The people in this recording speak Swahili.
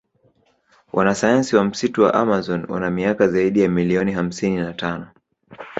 Wanasayansi wa msitu wa amazon wana miaka zaidi ya million hamsini na tano